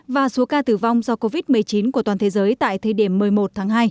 và số ca tử vong do covid một mươi chín của toàn thế giới tại thời điểm một mươi một tháng hai